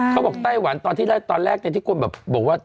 เขาบอกใต้หวันตอนที่แรกตอนแรกที่คนแบบบอกว่า